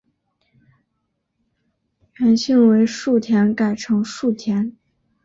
原姓为薮田改成薮田。